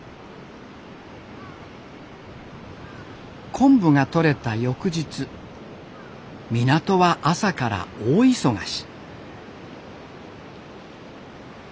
昆布がとれた翌日港は朝から大忙し。